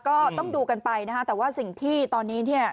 ก็ต้องดูกันไปแต่ว่าสิ่งที่ตอนนี้